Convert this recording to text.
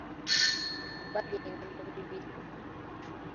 Bagenda mu bibira.